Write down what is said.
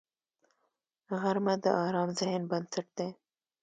غرمه د ارام ذهن بنسټ دی